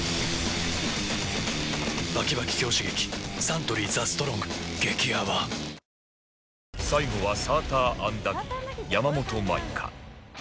サントリー「ＴＨＥＳＴＲＯＮＧ」激泡最後はサーターアンダギー山本舞香